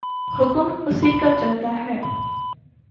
حکم اسی کا چلتاہے۔